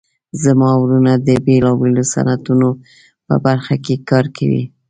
زما وروڼه د بیلابیلو صنعتونو په برخه کې کار کوي